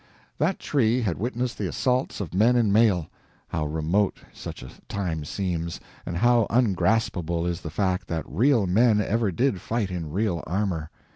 That tree had witnessed the assaults of men in mail how remote such a time seems, and how ungraspable is the fact that real men ever did fight in real armor!